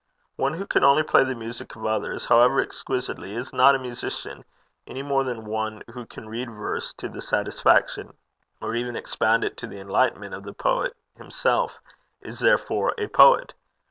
One who can only play the music of others, however exquisitely, is not a musician, any more than one who can read verse to the satisfaction, or even expound it to the enlightenment of the poet himself, is therefore a poet.